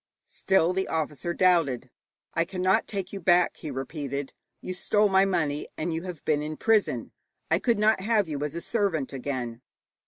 Still the officer doubted. 'I cannot take you back,' he repeated. 'You stole my money, and you have been in prison. I could not have you as a servant again.'